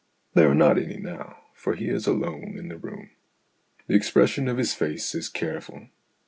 There are not any now, for he is alone in the room. The expression of his face is careful.